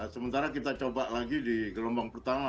sementara kita coba lagi di gelombang pertama